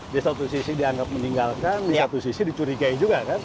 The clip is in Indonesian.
di satu sisi dianggap meninggalkan di satu sisi dicurigai juga kan